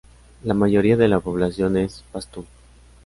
La mayoría de la población es pastún.